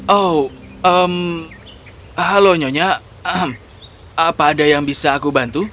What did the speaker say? oh halo nyonya apa ada yang bisa aku bantu